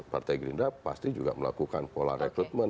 partai gerindra pasti juga melakukan pola rekrutmen